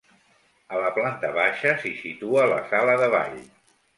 A la planta baixa s'hi situa la sala de ball.